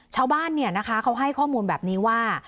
ชาวบ้านเขาให้ข้อมูลแบบนี้ว่า